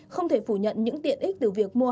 không thể phủ nhận những tiện ích từ việc mua